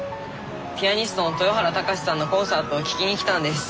ピアニストの豊原貴史さんのコンサートを聴きに来たんです。